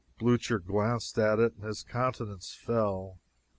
Blucher glanced at it and his countenance fell.